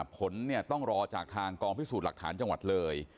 ผลเนี่ยต้องรอจากทางกองพิสูจน์หลักฐานจังหวัดเลย